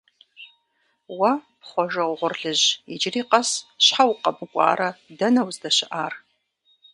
Уэ, Хъуэжэ угъурлыжь, иджыри къэс щхьэ укъэмыкӀуарэ, дэнэ уздэщыӀар?